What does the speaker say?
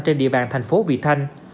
trên địa bàn thành phố vị thanh